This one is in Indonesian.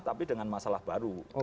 tapi dengan masalah baru